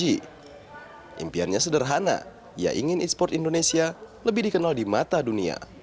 impiannya sederhana ia ingin e sport indonesia lebih dikenal di mata dunia